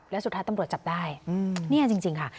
แล้วสุดท้ายตำรวจจับได้เนี่ยจริงค่ะ